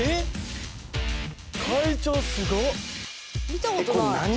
見たことない。